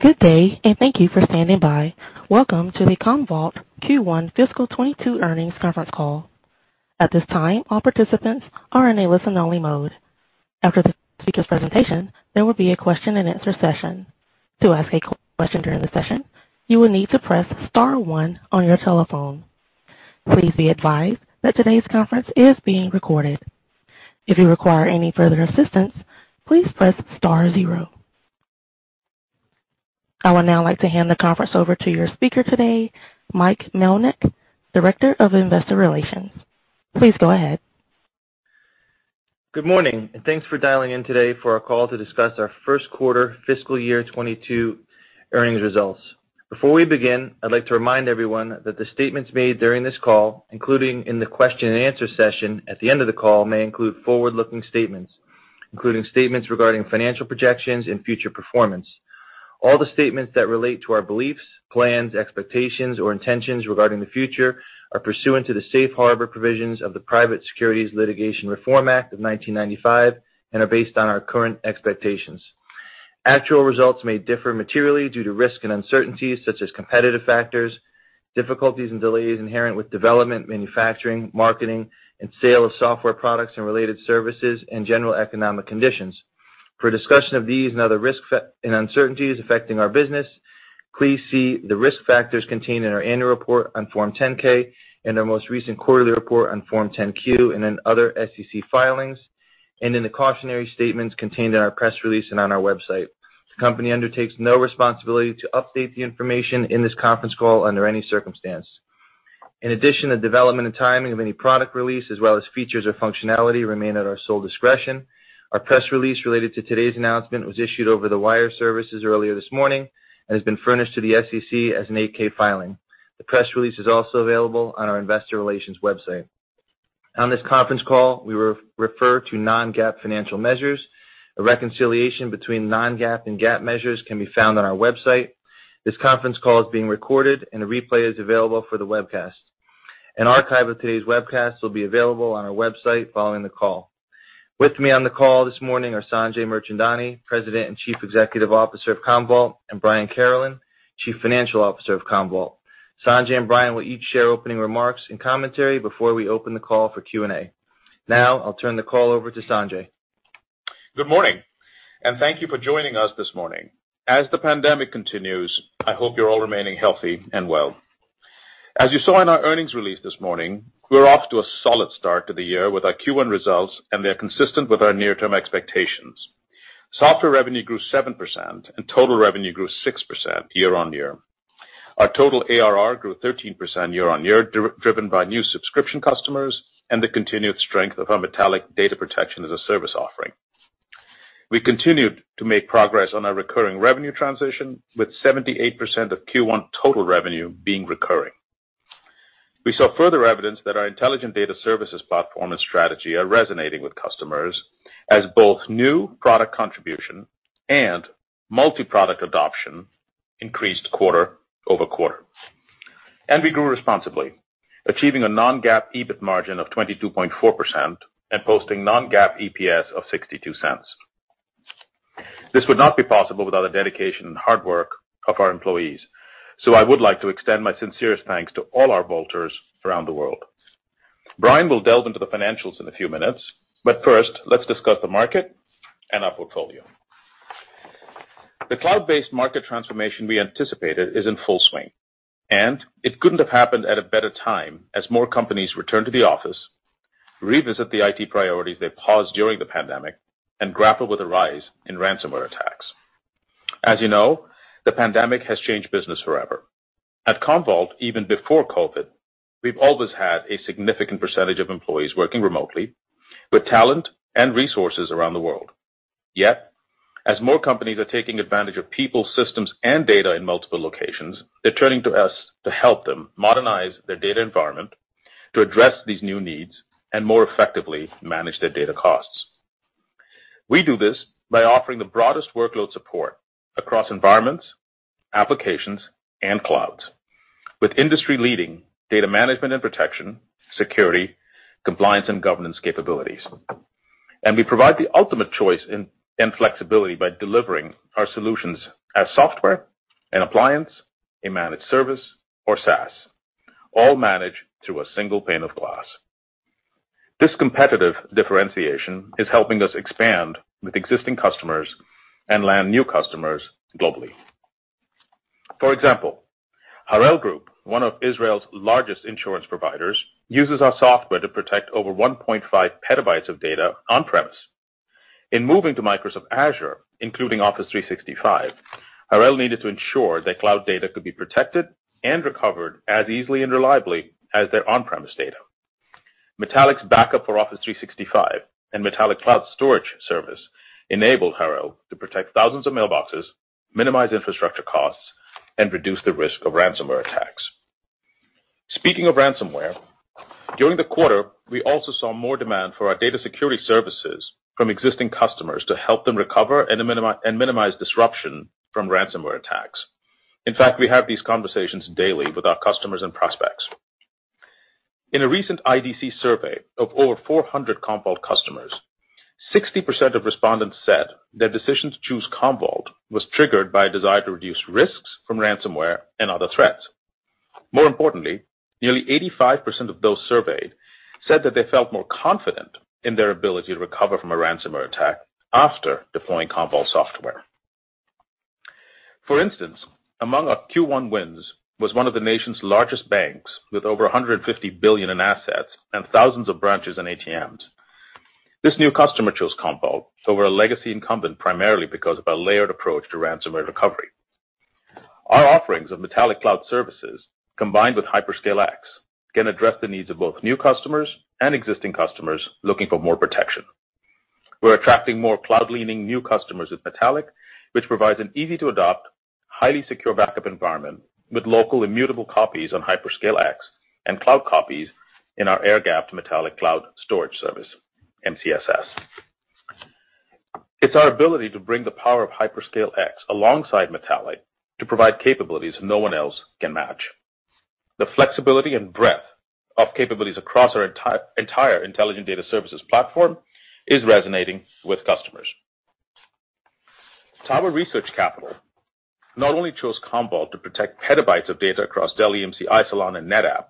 Good day. Thank you for standing by. Welcome to the Commvault Q1 fiscal year 2022 earnings conference call. At this time, all participants are in a listen-only mode. After the speaker presentation, there will be a question-and-answer session. To ask a question during the session, you will need to press star one on your telephone. Please be advised that today's conference is being recorded. If you require any further assistance, please press star zero. I would now like to hand the conference over to your speaker today, Mike Melnyk, Director of Investor Relations. Please go ahead. Good morning. Thanks for dialing in today for our call to discuss our first quarter fiscal year 2022 earnings results. Before we begin, I'd like to remind everyone that the statements made during this call, including in the question-and-answer session at the end of the call, may include forward-looking statements, including statements regarding financial projections and future performance. All the statements that relate to our beliefs, plans, expectations, or intentions regarding the future are pursuant to the safe harbor provisions of the Private Securities Litigation Reform Act of 1995 and are based on our current expectations. Actual results may differ materially due to risks and uncertainties such as competitive factors, difficulties and delays inherent with development, manufacturing, marketing, and sale of software products and related services and general economic conditions. For a discussion of these and other risks and uncertainties affecting our business, please see the risk factors contained in our annual report on Form 10-K and our most recent quarterly report on Form 10-Q and in other SEC filings, and in the cautionary statements contained in our press release and on our website. The company undertakes no responsibility to update the information in this conference call under any circumstance. In addition, the development and timing of any product release, as well as features or functionality, remain at our sole discretion. Our press release related to today's announcement was issued over the wire services earlier this morning and has been furnished to the SEC as an 8-K filing. The press release is also available on our investor relations website. On this conference call, we will refer to non-GAAP financial measures. A reconciliation between non-GAAP and GAAP measures can be found on our website. This conference call is being recorded, and a replay is available for the webcast. An archive of today's webcast will be available on our website following the call. With me on the call this morning are Sanjay Mirchandani, President and Chief Executive Officer of Commvault, and Brian Carolan, Chief Financial Officer of Commvault. Sanjay and Brian will each share opening remarks and commentary before we open the call for Q&A. Now, I'll turn the call over to Sanjay. Good morning, and thank you for joining us this morning. As the pandemic continues, I hope you're all remaining healthy and well. As you saw in our earnings release this morning, we're off to a solid start to the year with our Q1 results. They're consistent with our near-term expectations. Software revenue grew 7%. Total revenue grew 6% year-on-year. Our total ARR grew 13% year-on-year, driven by new subscription customers and the continued strength of our Metallic data protection as a service offering. We continued to make progress on our recurring revenue transition, with 78% of Q1 total revenue being recurring. We saw further evidence that our intelligent data services platform and strategy are resonating with customers as both new product contribution and multi-product adoption increased quarter-over-quarter. We grew responsibly, achieving a non-GAAP EBIT margin of 22.4% and posting non-GAAP EPS of $0.62. This would not be possible without the dedication and hard work of our employees. I would like to extend my sincerest thanks to all our Vaulters around the world. Brian will delve into the financials in a few minutes. First, let's discuss the market and our portfolio. The cloud-based market transformation we anticipated is in full swing. It couldn't have happened at a better time as more companies return to the office, revisit the IT priorities they paused during the pandemic, and grapple with a rise in ransomware attacks. As you know, the pandemic has changed business forever. At Commvault, even before COVID, we've always had a significant percentage of employees working remotely with talent and resources around the world. As more companies are taking advantage of people, systems, and data in multiple locations, they're turning to us to help them modernize their data environment to address these new needs and more effectively manage their data costs. We do this by offering the broadest workload support across environments, applications, and clouds with industry-leading data management and protection, security, compliance, and governance capabilities. We provide the ultimate choice and flexibility by delivering our solutions as software, an appliance, a managed service, or SaaS, all managed through a single pane of glass. This competitive differentiation is helping us expand with existing customers and land new customers globally. For example, Harel Group, one of Israel's largest insurance providers, uses our software to protect over 1.5 petabytes of data on-premise. Moving to Microsoft Azure, including Office 365, Harel needed to ensure that cloud data could be protected and recovered as easily and reliably as their on-premise data. Metallic's backup for Office 365 and Metallic Cloud Storage Service enabled Harel to protect thousands of mailboxes, minimize infrastructure costs, and reduce the risk of ransomware attacks. Speaking of ransomware, during the quarter, we also saw more demand for our data security services from existing customers to help them recover and minimize disruption from ransomware attacks. In fact, we have these conversations daily with our customers and prospects. A recent IDC survey of over 400 Commvault customers, 60% of respondents said their decision to choose Commvault was triggered by a desire to reduce risks from ransomware and other threats. More importantly, nearly 85% of those surveyed said that they felt more confident in their ability to recover from a ransomware attack after deploying Commvault software. For instance, among our Q1 wins was one of the nation's largest banks, with over $150 billion in assets and thousands of branches and ATMs. This new customer chose Commvault over a legacy incumbent, primarily because of our layered approach to ransomware recovery. Our offerings of Metallic Cloud services, combined with HyperScale X, can address the needs of both new customers and existing customers looking for more protection. We're attracting more cloud-leaning new customers with Metallic, which provides an easy-to-adopt, highly secure backup environment with local immutable copies on HyperScale X and cloud copies in our air-gapped Metallic Cloud Storage Service, MCSS. It's our ability to bring the power of HyperScale X alongside Metallic to provide capabilities no one else can match. The flexibility and breadth of capabilities across our entire intelligent data services platform is resonating with customers. Tower Research Capital not only chose Commvault to protect petabytes of data across Dell EMC, Isilon, and NetApp,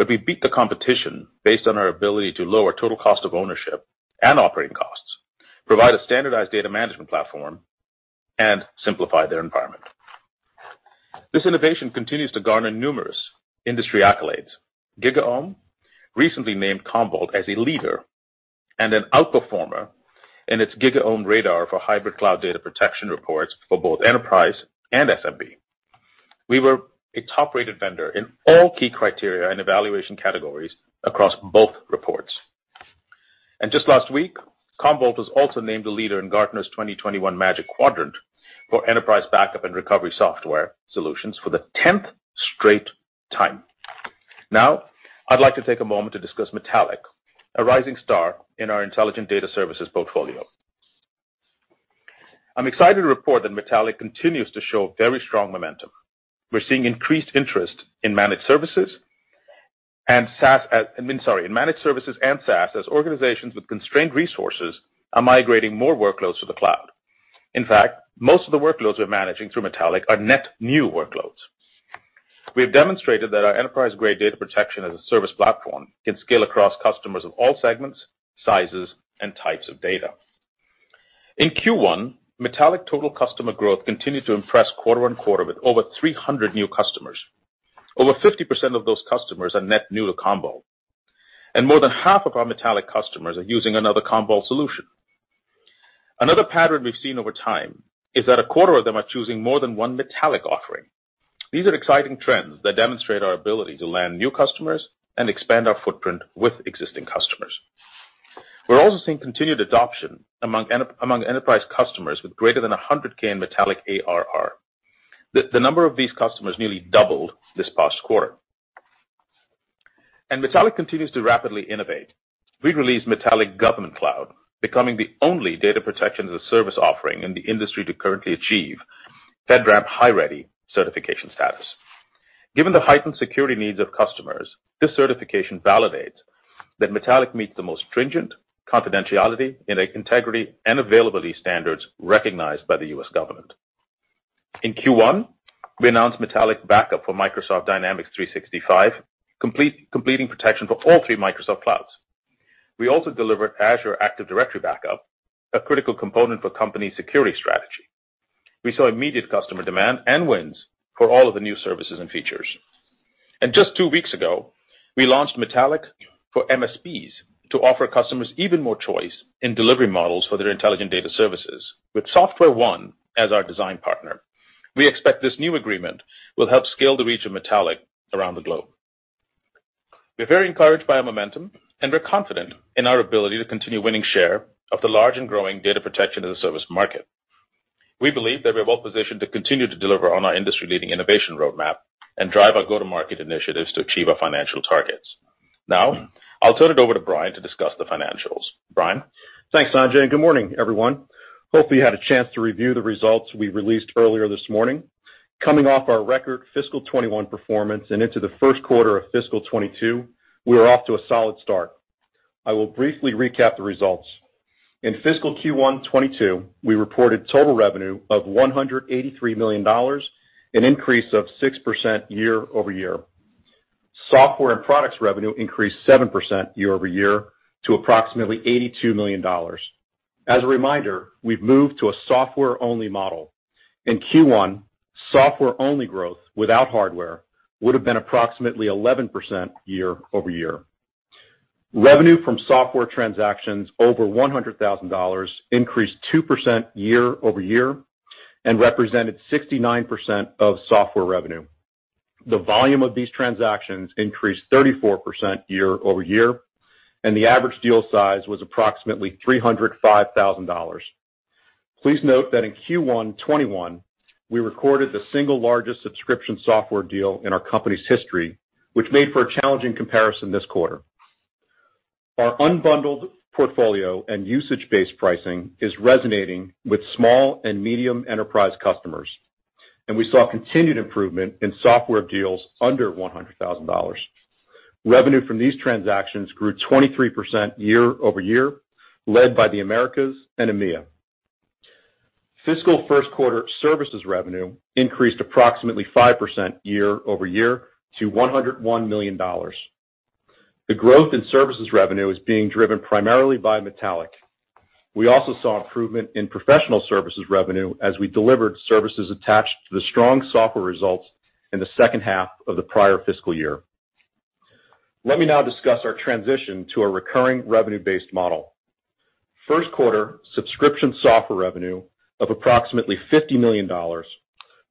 but we beat the competition based on our ability to lower total cost of ownership and operating costs, provide a standardized data management platform, and simplify their environment. This innovation continues to garner numerous industry accolades. GigaOm recently named Commvault as a leader and an outperformer in its GigaOm Radar for hybrid cloud data protection reports for both enterprise and SMB. We were a top-rated vendor in all key criteria and evaluation categories across both reports. Just last week, Commvault was also named a leader in Gartner's 2021 Magic Quadrant for enterprise backup and recovery software solutions for the tenth straight time. I'd like to take a moment to discuss Metallic, a rising star in our intelligent data services portfolio. I'm excited to report that Metallic continues to show very strong momentum. We're seeing increased interest in managed services and SaaS. I mean, sorry. In managed services and SaaS, as organizations with constrained resources are migrating more workloads to the cloud. In fact, most of the workloads we're managing through Metallic are net new workloads. We have demonstrated that our enterprise-grade data protection as a service platform can scale across customers of all segments, sizes, and types of data. In Q1, Metallic total customer growth continued to impress quarter on quarter with over 300 new customers. Over 50% of those customers are net new to Commvault, and more than half of our Metallic customers are using another Commvault solution. Another pattern we've seen over time is that a quarter of them are choosing more than one Metallic offering. These are exciting trends that demonstrate our ability to land new customers and expand our footprint with existing customers. We're also seeing continued adoption among enterprise customers with greater than $100K in Metallic ARR. The number of these customers nearly doubled this past quarter. Metallic continues to rapidly innovate. We released Metallic Government Cloud, becoming the only data protection as a service offering in the industry to currently achieve FedRAMP High Ready certification status. Given the heightened security needs of customers, this certification validates that Metallic meets the most stringent confidentiality and integrity and availability standards recognized by the U.S. government. In Q1, we announced Metallic Backup for Microsoft Dynamics 365, completing protection for all three Microsoft clouds. We also delivered Azure Active Directory Backup, a critical component for company security strategy. We saw immediate customer demand and wins for all of the new services and features. Just two weeks ago, we launched Metallic for MSPs to offer customers even more choice in delivery models for their intelligent data services with SoftwareONE as our design partner. We expect this new agreement will help scale the reach of Metallic around the globe. We're very encouraged by our momentum, and we're confident in our ability to continue winning share of the large and growing data protection as a service market. We believe that we're well-positioned to continue to deliver on our industry-leading innovation roadmap and drive our go-to-market initiatives to achieve our financial targets. Now, I'll turn it over to Brian to discuss the financials. Brian? Thanks, Sanjay, and good morning, everyone. Hopefully, you had a chance to review the results we released earlier this morning. Coming off our record fiscal 2021 performance and into the first quarter of fiscal 2022, we are off to a solid start. I will briefly recap the results. In fiscal Q1 2022, we reported total revenue of $183 million, an increase of 6% year-over-year. Software and products revenue increased 7% year-over-year to approximately $82 million. As a reminder, we've moved to a software-only model. In Q1, software-only growth without hardware would have been approximately 11% year-over-year. Revenue from software transactions over $100,000 increased 2% year-over-year and represented 69% of software revenue. The volume of these transactions increased 34% year-over-year, and the average deal size was approximately $305,000. Please note that in Q1 2021, we recorded the single largest subscription software deal in our company's history, which made for a challenging comparison this quarter. Our unbundled portfolio and usage-based pricing is resonating with small and medium enterprise customers, and we saw continued improvement in software deals under $100,000. Revenue from these transactions grew 23% year-over-year, led by the Americas and EMEA. Fiscal first quarter services revenue increased approximately 5% year-over-year to $101 million. The growth in services revenue is being driven primarily by Metallic. We also saw improvement in professional services revenue as we delivered services attached to the strong software results in the second half of the prior fiscal year. Let me now discuss our transition to a recurring revenue-based model. First quarter subscription software revenue of approximately $50 million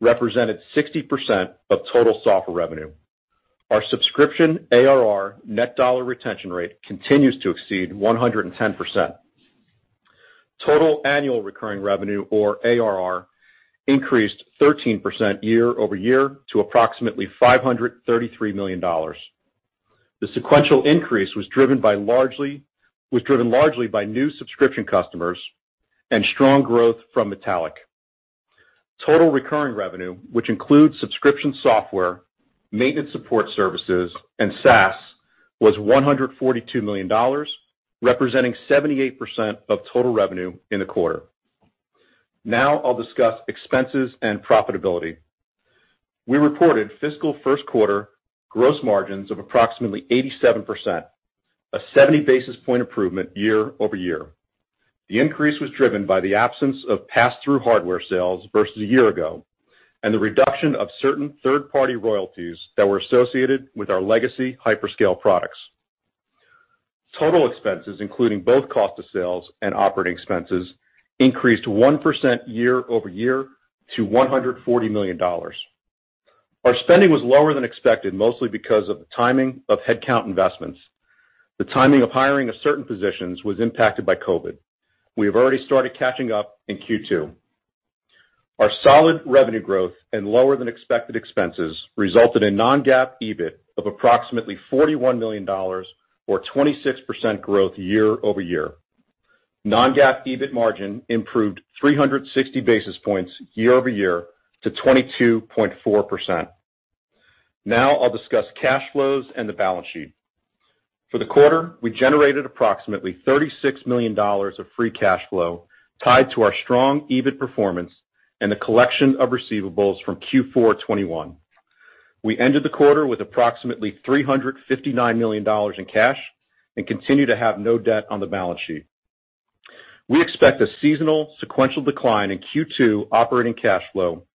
represented 60% of total software revenue. Our subscription ARR net dollar retention rate continues to exceed 110%. Total annual recurring revenue, or ARR, increased 13% year-over-year to approximately $533 million. The sequential increase was driven largely by new subscription customers and strong growth from Metallic. Total recurring revenue, which includes subscription software, maintenance support services, and SaaS, was $142 million, representing 78% of total revenue in the quarter. I'll discuss expenses and profitability. We reported fiscal first quarter gross margins of approximately 87%, a 70-basis-point improvement year-over-year. The increase was driven by the absence of pass-through hardware sales versus a year ago, and the reduction of certain third-party royalties that were associated with our legacy hyperscale products. Total expenses, including both cost of sales and operating expenses, increased 1% year-over-year to $140 million. Our spending was lower than expected, mostly because of the timing of headcount investments. The timing of hiring of certain positions was impacted by COVID. We have already started catching up in Q2. Our solid revenue growth and lower than expected expenses resulted in non-GAAP EBIT of approximately $41 million, or 26% growth year-over-year. Non-GAAP EBIT margin improved 360 basis points year-over-year to 22.4%. Now I'll discuss cash flows and the balance sheet. For the quarter, we generated approximately $36 million of free cash flow tied to our strong EBIT performance and the collection of receivables from Q4 2021. We ended the quarter with approximately $359 million in cash and continue to have no debt on the balance sheet. We expect a seasonal sequential decline in Q2 operating cash flow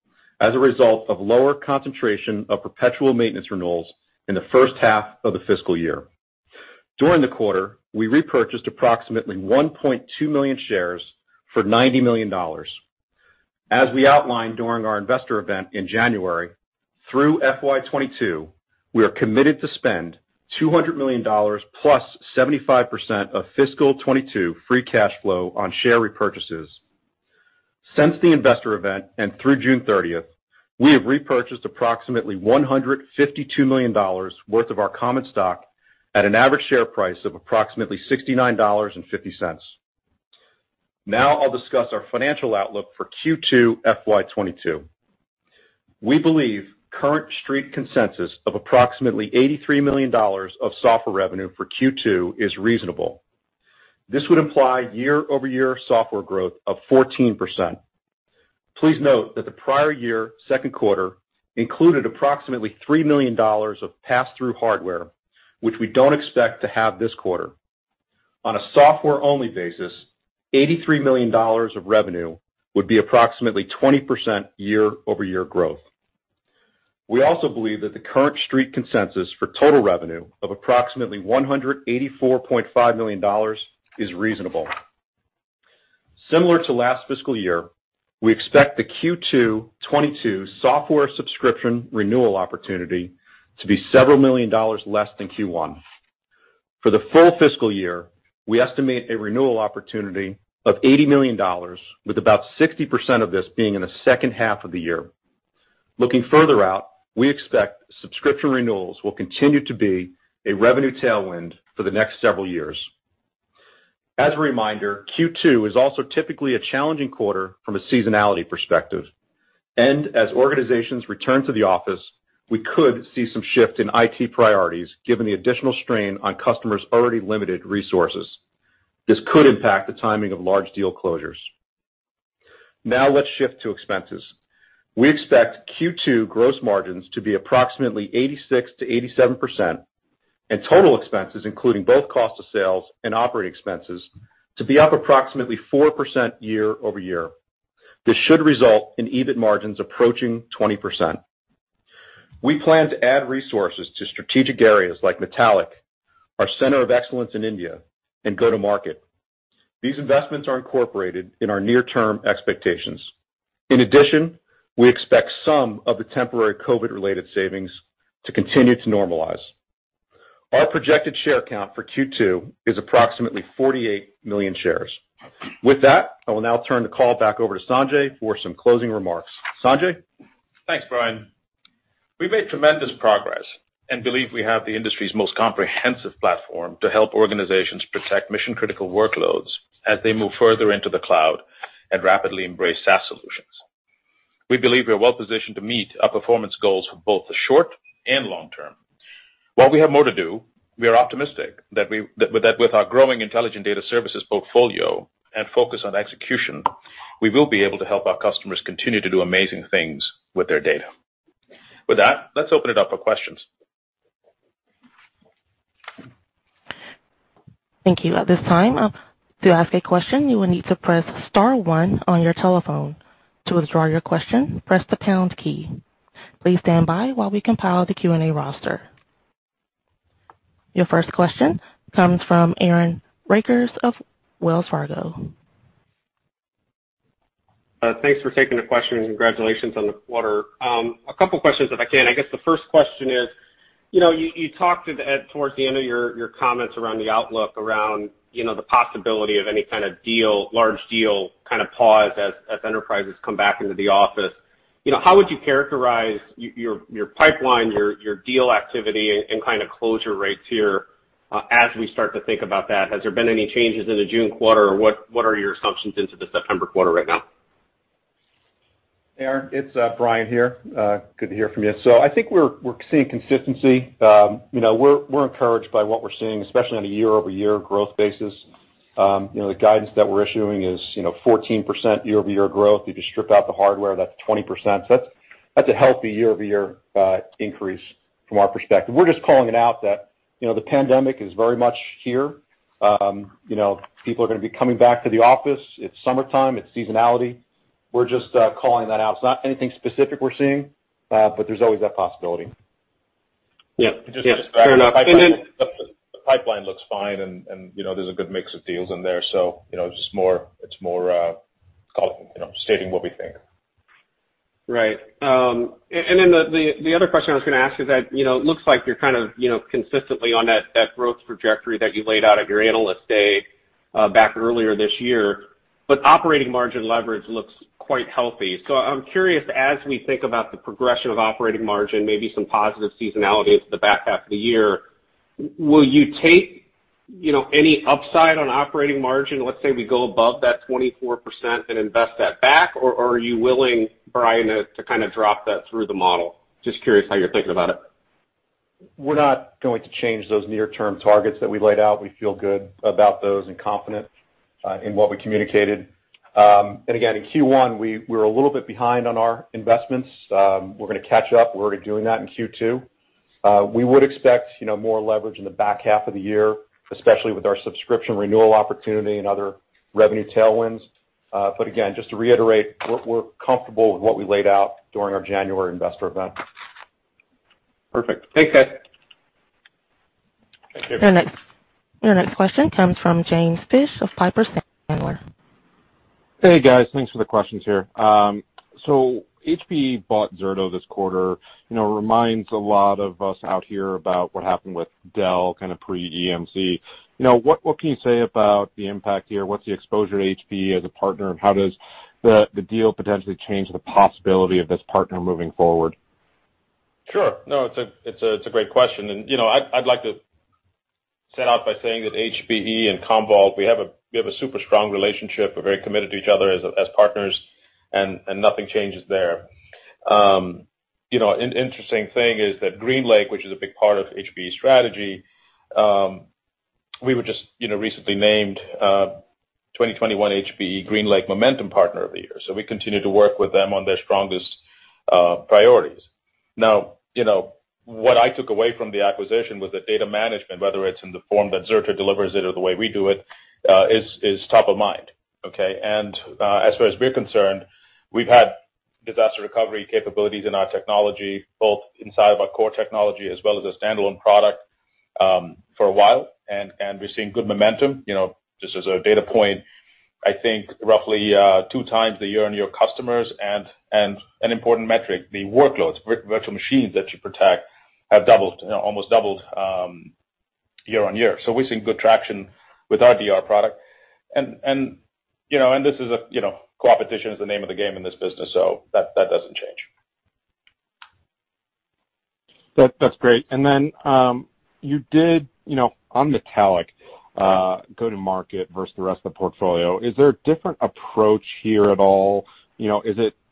as a result of lower concentration of perpetual maintenance renewals in the first half of the fiscal year. During the quarter, we repurchased approximately 1.2 million shares for $90 million. As we outlined during our investor event in January, through FY 2022, we are committed to spend $200 million plus 75% of fiscal 2022 free cash flow on share repurchases. Since the investor event and through June 30th, we have repurchased approximately $152 million worth of our common stock at an average share price of approximately $69.50. Now I'll discuss our financial outlook for Q2 FY 2022. We believe current Street consensus of approximately $83 million of software revenue for Q2 is reasonable. This would imply year-over-year software growth of 14%. Please note that the prior year second quarter included approximately $3 million of pass-through hardware, which we don't expect to have this quarter. On a software-only basis, $83 million of revenue would be approximately 20% year-over-year growth. We also believe that the current Street consensus for total revenue of approximately $184.5 million is reasonable. Similar to last fiscal year, we expect the Q2 2022 software subscription renewal opportunity to be several million dollars less than Q1. For the full fiscal year, we estimate a renewal opportunity of $80 million, with about 60% of this being in the second half of the year. Looking further out, we expect subscription renewals will continue to be a revenue tailwind for the next several years. As a reminder, Q2 is also typically a challenging quarter from a seasonality perspective. As organizations return to the office, we could see some shift in IT priorities given the additional strain on customers' already limited resources. This could impact the timing of large deal closures. Now let's shift to expenses. We expect Q2 gross margins to be approximately 86%-87% and total expenses, including both cost of sales and operating expenses, to be up approximately 4% year-over-year. This should result in EBIT margins approaching 20%. We plan to add resources to strategic areas like Metallic, our center of excellence in India, and go to market. These investments are incorporated in our near-term expectations. In addition, we expect some of the temporary COVID-related savings to continue to normalize. Our projected share count for Q2 is approximately 48 million shares. With that, I will now turn the call back over to Sanjay for some closing remarks. Sanjay? Thanks, Brian We've made tremendous progress and believe we have the industry's most comprehensive platform to help organizations protect mission-critical workloads as they move further into the cloud and rapidly embrace SaaS solutions. We believe we are well-positioned to meet our performance goals for both the short and long term. While we have more to do, we are optimistic that with our growing intelligent data services portfolio and focus on execution, we will be able to help our customers continue to do amazing things with their data. With that, let's open it up for questions. Thank you. At this time, to ask a question, you will need to press star one on your telephone. To withdraw your question, press the pound key. Please stand by while we compile the Q&A roster. Your first question comes from Aaron Rakers of Wells Fargo. Thanks for taking the question, congratulations on the quarter. A couple questions if I can. I guess the first question is, you talked towards the end of your comments around the outlook, around the possibility of any kind of large deal kind of pause as enterprises come back into the office. How would you characterize your pipeline, your deal activity, and kind of closure rates here as we start to think about that? Has there been any changes in the June quarter, or what are your assumptions into the September quarter right now? Aaron, it's Brian here. Good to hear from you. I think we're seeing consistency. We're encouraged by what we're seeing, especially on a year-over-year growth basis. The guidance that we're issuing is 14% year-over-year growth. If you strip out the hardware, that's 20%. That's a healthy year-over-year increase from our perspective. We're just calling it out that the pandemic is very much here. People are going to be coming back to the office. It's summertime. It's seasonality. We're just calling that out. It's not anything specific we're seeing, but there's always that possibility. Yeah. Fair enough. The pipeline looks fine, and there's a good mix of deals in there, it's just more stating what we think. Right. Then the other question I was going to ask you that it looks like you're kind of consistently on that growth trajectory that you laid out at your Analyst Day back earlier this year, operating margin leverage looks quite healthy. I'm curious, as we think about the progression of operating margin, maybe some positive seasonality into the back half of the year, will you take any upside on operating margin, let's say we go above that 24% and invest that back, or are you willing, Brian, to kind of drop that through the model? Just curious how you're thinking about it. We're not going to change those near-term targets that we laid out. We feel good about those and confident in what we communicated. Again, in Q1, we were a little bit behind on our investments. We're going to catch up. We're already doing that in Q2. We would expect more leverage in the back half of the year, especially with our subscription renewal opportunity and other revenue tailwinds. Again, just to reiterate, we're comfortable with what we laid out during our January investor event. Perfect. Thanks, guys. Thank you. Your next question comes from James Fish of Piper Sandler. Hey, guys. Thanks for the questions here. HPE bought Zerto this quarter. Reminds a lot of us out here about what happened with Dell kind of pre-EMC. What can you say about the impact here? What's the exposure to HPE as a partner, and how does the deal potentially change the possibility of this partner moving forward? Sure. No, it's a great question, and I'd like to set off by saying that HPE and Commvault, we have a super strong relationship. We're very committed to each other as partners, and nothing changes there. An interesting thing is that GreenLake, which is a big part of HPE strategy, we were just recently named 2021 HPE GreenLake Momentum Partner of the Year. We continue to work with them on their strongest priorities. Now, what I took away from the acquisition was that data management, whether it's in the form that Zerto delivers it or the way we do it, is top of mind, okay? As far as we're concerned, we've had disaster recovery capabilities in our technology, both inside of our core technology as well as a standalone product for a while, and we're seeing good momentum. Just as a data point, I think roughly 2 times the year-on-year customers and an important metric, the workloads, virtual machines that you protect have almost doubled year-on-year. We're seeing good traction with our DR product. Competition is the name of the game in this business, that doesn't change. That's great. You did, on Metallic go-to-market versus the rest of the portfolio, is there a different approach here at all?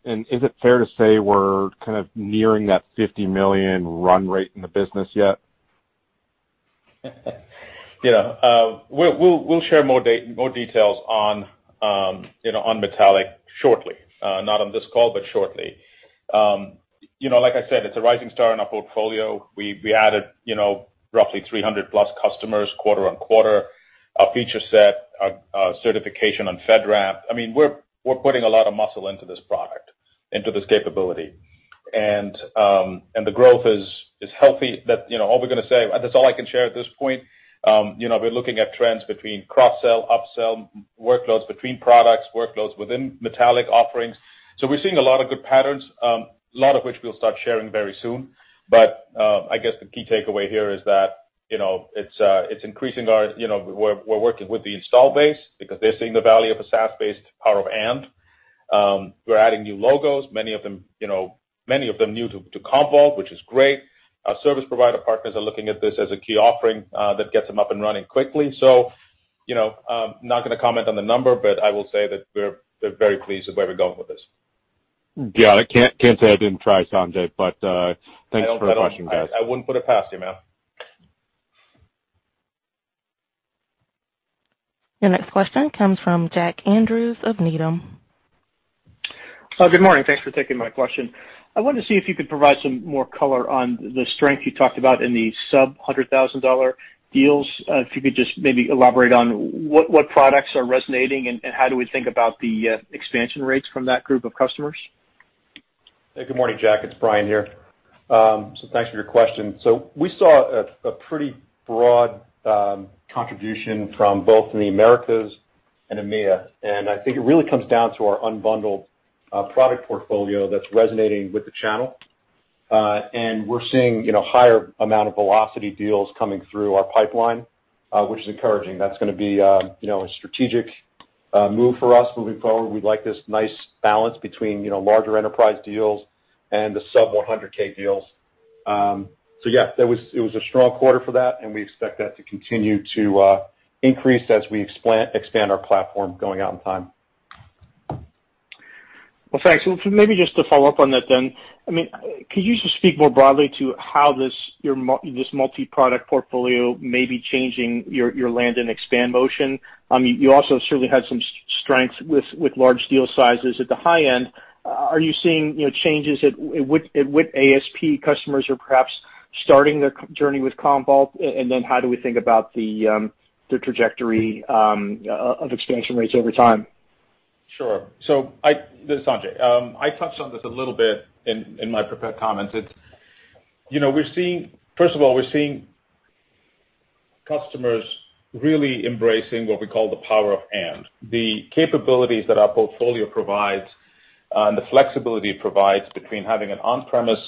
Is it fair to say we're kind of nearing that $50 million run rate in the business yet? Yeah. We'll share more details on Metallic shortly. Not on this call, but shortly. Like I said, it's a rising star in our portfolio. We added roughly 300-plus customers quarter-on-quarter, a feature set, a certification on FedRAMP. We're putting a lot of muscle into this product, into this capability. The growth is healthy. That's all I can share at this point. We're looking at trends between cross-sell, up-sell workloads between products, workloads within Metallic offerings. We're seeing a lot of good patterns, a lot of which we'll start sharing very soon. I guess the key takeaway here is that we're working with the install base because they're seeing the value of a SaaS-based power of and We're adding new logos, many of them new to Commvault, which is great. Our service provider partners are looking at this as a key offering that gets them up and running quickly. I'm not going to comment on the number, but I will say that we're very pleased with where we're going with this. Got it. Can't say I didn't try, Sanjay, Thanks for the question, guys. I wouldn't put it past you, man. Your next question comes from Jack Andrews of Needham. Good morning. Thanks for taking my question. I wanted to see if you could provide some more color on the strength you talked about in the sub-$100,000 deals. If you could just maybe elaborate on what products are resonating, and how do we think about the expansion rates from that group of customers? Hey, good morning, Jack. It's Brian here. Thanks for your question. We saw a pretty broad contribution from both the Americas and EMEA, and I think it really comes down to our unbundled product portfolio that's resonating with the channel. We're seeing higher amount of velocity deals coming through our pipeline, which is encouraging. That's going to be a strategic move for us moving forward. We'd like this nice balance between larger enterprise deals and the sub-$100K deals. Yeah, it was a strong quarter for that, and we expect that to continue to increase as we expand our platform going out in time. Well, thanks. Maybe just to follow up on that then, could you just speak more broadly to how this multi-product portfolio may be changing your land and expand motion? You also certainly had some strength with large deal sizes at the high end. Are you seeing changes with ASP customers who are perhaps starting their journey with Commvault? How do we think about the trajectory of expansion rates over time? Sure. This is Sanjay. I touched on this a little bit in my prepared comments. First of all, we're seeing customers really embracing what we call the power of and, the capabilities that our portfolio provides and the flexibility it provides between having an on-premise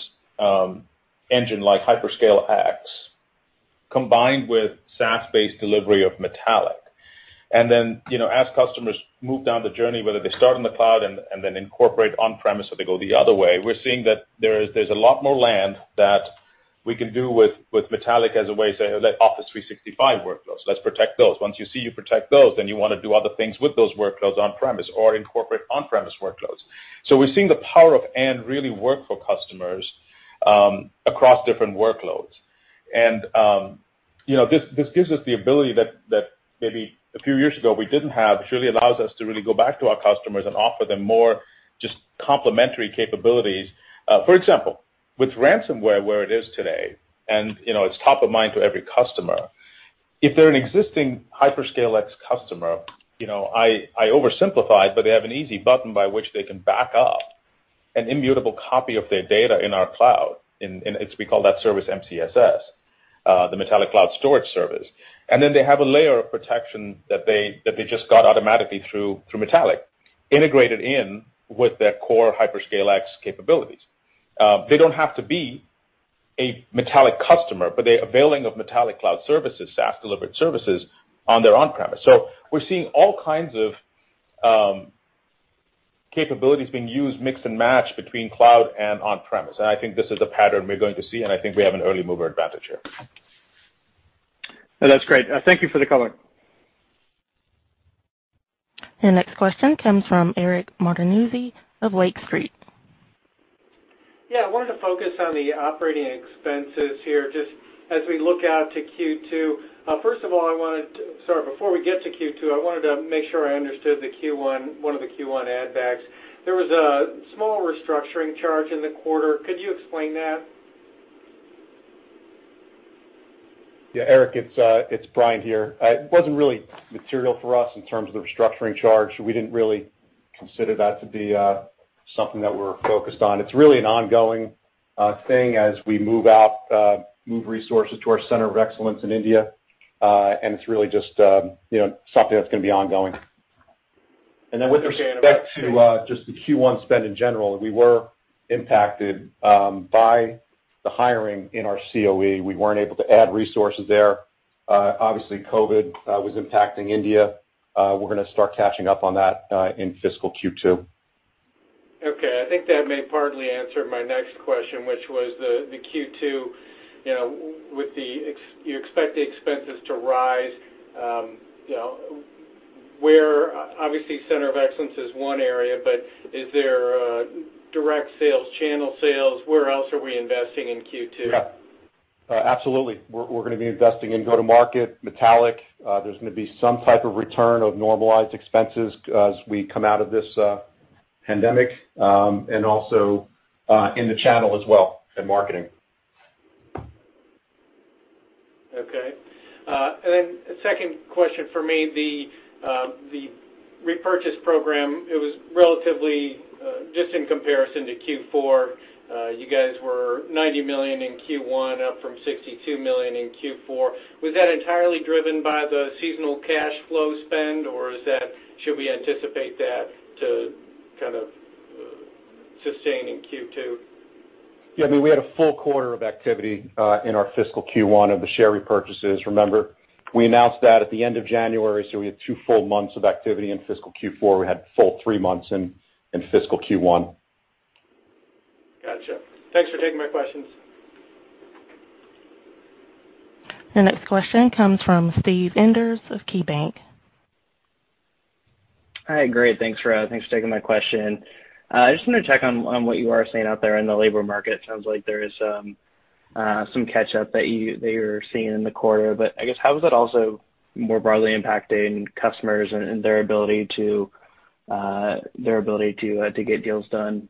engine like Commvault HyperScale X combined with SaaS-based delivery of Metallic. As customers move down the journey, whether they start in the cloud and then incorporate on-premise, or they go the other way, we're seeing that there's a lot more land that we can do with Metallic as a way to say, "Office 365 workloads, let's protect those." Once you see you protect those, then you want to do other things with those workloads on-premise or incorporate on-premise workloads. We're seeing the power of and really work for customers across different workloads. This gives us the ability that maybe a few years ago we didn't have. It really allows us to really go back to our customers and offer them more just complementary capabilities. For example, with ransomware where it is today, and it's top of mind for every customer. If they're an existing Commvault HyperScale X customer, I oversimplify, but they have an easy button by which they can back up an immutable copy of their data in our cloud. We call that service MCSS, the Metallic Cloud Storage Service. They have a layer of protection that they just got automatically through Metallic integrated in with their core Commvault HyperScale X capabilities. They don't have to be a Metallic customer, but they're availing of Metallic cloud services, SaaS-delivered services on their on-premise. We're seeing all kinds of capabilities being used, mix and match between cloud and on-premise, and I think this is a pattern we're going to see, and I think we have an early mover advantage here. No, that's great. Thank you for the color. Your next question comes from Eric Martinuzzi of Lake Street. Yeah. I wanted to focus on the operating expenses here, just as we look out to Q2. First of all, before we get to Q2, I wanted to make sure I understood one of the Q1 add backs. There was a small restructuring charge in the quarter. Could you explain that? Yeah, Eric, it's Brian here. It wasn't really material for us in terms of the restructuring charge. We didn't really consider that to be something that we're focused on. It's really an ongoing thing as we move resources to our center of excellence in India. It's really just something that's going to be ongoing. Understood. Then with respect to just the Q1 spend in general, we were impacted by the hiring in our COE. We weren't able to add resources there. Obviously, COVID was impacting India. We're going to start catching up on that in fiscal Q2. Okay. I think that may partly answer my next question, which was the Q2, you expect the expenses to rise. Obviously, Center of Excellence is one area, but is there direct sales, channel sales? Where else are we investing in Q2? Yeah. Absolutely. We're going to be investing in go-to-market, Metallic. There's going to be some type of return of normalized expenses as we come out of this pandemic, and also in the channel as well, and marketing. Okay. A second question from me, the repurchase program, it was relatively just in comparison to Q4, you guys were $90 million in Q1, up from $62 million in Q4. Was that entirely driven by the seasonal cash flow spend, or should we anticipate that to sustain in Q2? Yeah. I mean, we had a full quarter of activity in our fiscal Q1 of the share repurchases. Remember, we announced that at the end of January, so we had two full months of activity in fiscal Q4. We had a full three months in fiscal Q1. Gotcha. Thanks for taking my questions. The next question comes from Steve Enders of KeyBank. Hi. Great. Thanks, Raj. Thanks for taking my question. I just want to check on what you are seeing out there in the labor market. Sounds like there is some catch-up that you're seeing in the quarter, but I guess how is that also more broadly impacting customers and their ability to get deals done?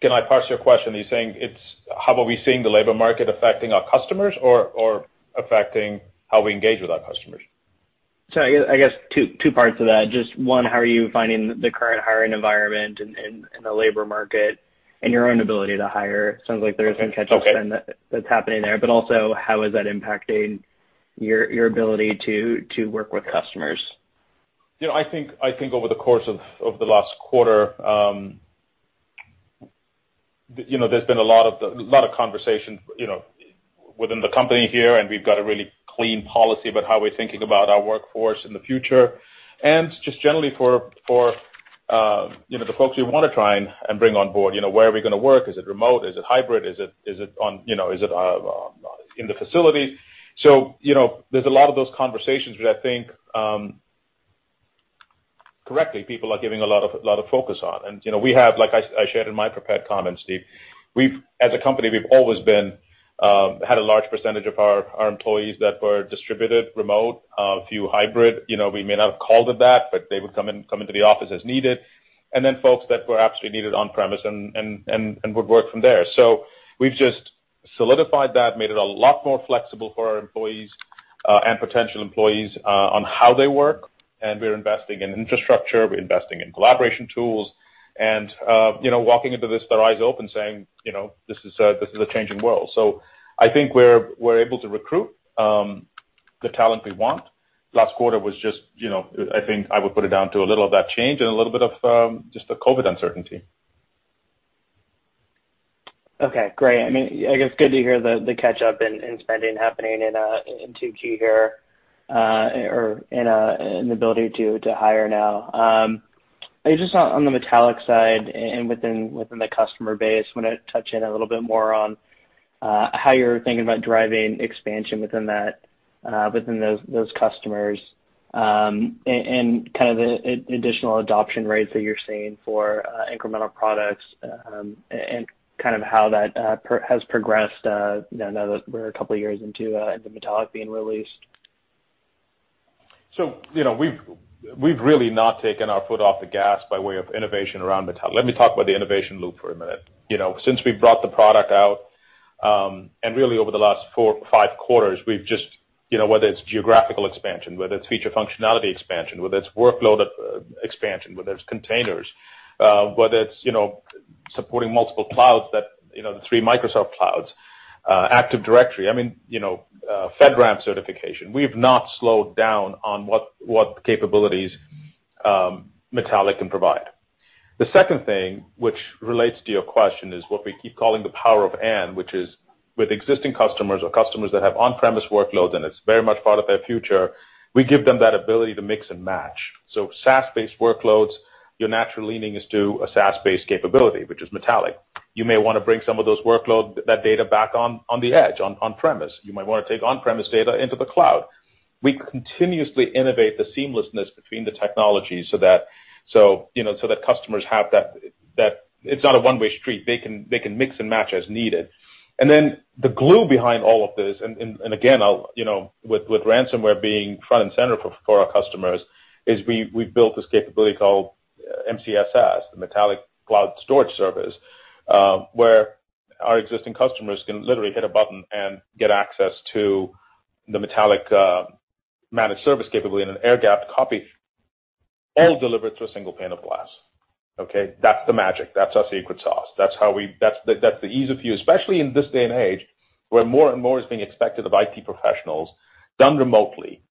Can I parse your question? Are you saying it's how are we seeing the labor market affecting our customers or affecting how we engage with our customers? Sorry, I guess two parts to that. Just one, how are you finding the current hiring environment in the labor market and your own ability to hire? Sounds like there's some catch-up- Okay spend that's happening there, but also how is that impacting your ability to work with customers? I think over the course of the last quarter, there's been a lot of conversation within the company here. We've got a really clean policy about how we're thinking about our workforce in the future. Just generally for the folks we want to try and bring on board, where are we going to work? Is it remote? Is it hybrid? Is it in the facilities? There's a lot of those conversations, which I think, correctly, people are giving a lot of focus on. We have, like I shared in my prepared comments, Steve, as a company, we've always had a large percentage of our employees that were distributed remote, a few hybrid. We may not have called it that, but they would come into the office as needed, and then folks that were actually needed on-premise and would work from there. We've just solidified that, made it a lot more flexible for our employees, and potential employees, on how they work. We're investing in infrastructure, we're investing in collaboration tools, and walking into this with our eyes open saying, "This is a changing world." I think we're able to recruit the talent we want. Last quarter was just, I think I would put it down to a little of that change and a little bit of just the COVID uncertainty. Okay. Great. I mean, I guess good to hear the catch-up in spending happening in 2Q here, or in the ability to hire now. Just on the Metallic side and within the customer base, want to touch in a little bit more on how you're thinking about driving expansion within those customers, and kind of the additional adoption rates that you're seeing for incremental products, and how that has progressed now that we're a couple of years into Metallic being released. We've really not taken our foot off the gas by way of innovation around Metallic. Let me talk about the innovation loop for a minute. Since we've brought the product out, and really over the last four, five quarters, we've just whether it's geographical expansion, whether it's feature functionality expansion, whether it's workload expansion, whether it's containers, whether it's supporting multiple clouds, the three Microsoft clouds, Active Directory. I mean, FedRAMP certification. We've not slowed down on what capabilities Metallic can provide. The second thing, which relates to your question, is what we keep calling the power of N, which is with existing customers or customers that have on-premise workloads, and it's very much part of their future, we give them that ability to mix and match. SaaS-based workloads, your natural leaning is to a SaaS-based capability, which is Metallic. You may want to bring some of those workloads, that data back on the edge, on premise. You might want to take on-premise data into the cloud. We continuously innovate the seamlessness between the technologies so that customers have. It's not a one-way street. They can mix and match as needed. The glue behind all of this, and again, with ransomware being front and center for our customers, is we've built this capability called MCSS, the Metallic Cloud Storage Service, where our existing customers can literally hit a button and get access to the Metallic managed service capability in an air-gapped copy, all delivered through a single pane of glass. Okay? That's the magic. That's our secret sauce. That's the ease of use, especially in this day and age, where more and more is being expected of IT professionals done remotely.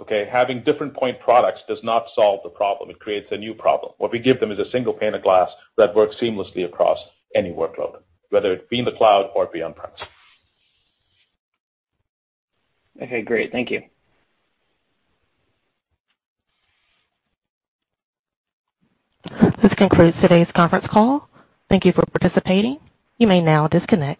Okay? Having different point products does not solve the problem. It creates a new problem. What we give them is a single pane of glass that works seamlessly across any workload, whether it be in the cloud or be on-premise. Okay, great. Thank you. This concludes today's conference call. Thank you for participating. You may now disconnect.